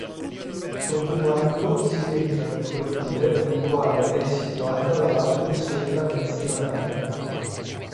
Continuando si entra nel cortile nel quale è situata la lapide sopra menzionata.